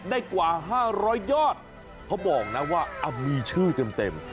กว่า๕๐๐ยอดเขาบอกนะว่ามีชื่อเต็ม